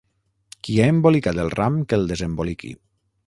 Qui ha embolicat el ram que el desemboliqui.